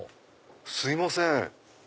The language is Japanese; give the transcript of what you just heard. すいません